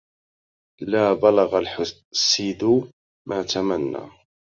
لا بلغ الحاسد ما تمنى